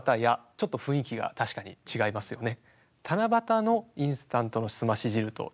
ちょっと雰囲気が確かに違いますよね。